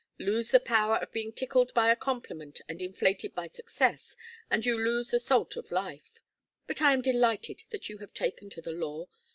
Lose the power of being tickled by a compliment and inflated by success, and you lose the salt of life. But I am delighted that you have taken to the law.